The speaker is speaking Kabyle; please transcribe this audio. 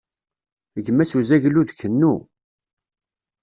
Gmas uzaglu d kennu.